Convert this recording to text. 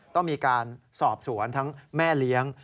ต้องมีการสอบสวนทั้งแม่เลี้ยง